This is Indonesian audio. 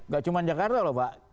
gak cuma jakarta loh pak